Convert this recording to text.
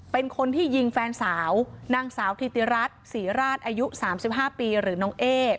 เป็นคนที่ยิงแฟนสาวนางสาวธิติรัฐศรีราชอายุ๓๕ปีหรือน้องเอ๊